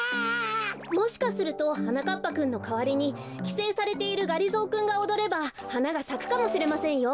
もしかするとはなかっぱくんのかわりにきせいされているがりぞーくんがおどればはながさくかもしれませんよ。